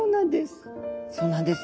そうなんです。